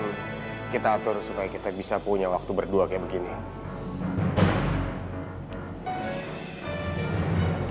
next time kita atur supaya kita punya waktu berdua gitu